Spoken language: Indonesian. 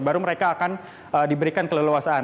baru mereka akan diberikan keleluasaan